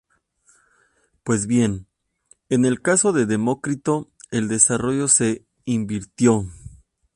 Pues bien, en el caso de Demócrito el desarrollo se invirtió.